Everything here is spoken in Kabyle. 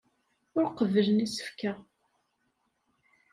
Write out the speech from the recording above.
Ur qebblen isefka.